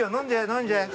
飲んじゃえ。